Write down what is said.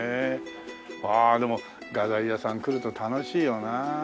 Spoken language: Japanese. ああでも画材屋さん来ると楽しいよな。